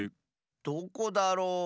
どこだろう？